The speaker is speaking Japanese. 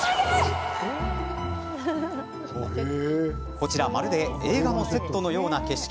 こちら、まるで映画のセットのような景色。